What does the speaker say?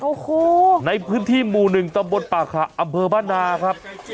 โอ้โหในพื้นที่หมู่๑ตำบลป่าขะอำเภอบ้านนาครับ